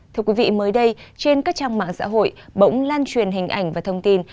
thưa quý vị mới đây trên các trang mạng xã hội bỗng lan truyền hình ảnh và thông tin